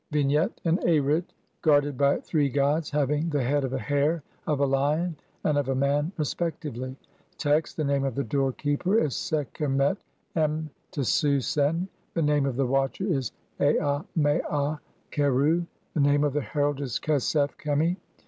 Vignette : An Arit guarded by three gods having the head of a hare, of a lion, and of a man respectively. Text : (1) The name (2) of the doorkeeper is Sekhemet em tesu (3)sen ; the name of the (4) watcher is Aa maa kheru ; (5) the name of the herald is Khesef khemi.